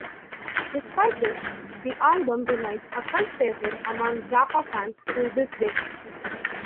Despite this, the album remains a cult favorite among Zappa fans to this day.